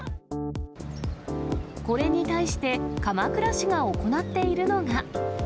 これに対して、鎌倉市が行っているのが。